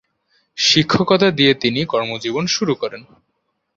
শিক্ষকতা দিয়ে তিনি কর্মজীবন শুরু করেন।